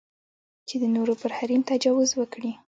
چې د نورو پر حریم تجاوز وکړي.